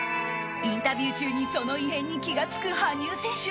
インタビュー中にその異変に気が付く羽生選手。